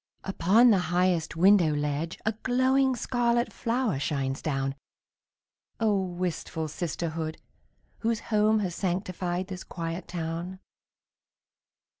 Upon the highest window ledge A glowing scarlet flower shines down. Oh, wistful sisterhood, whose home Has sanctified this quiet town!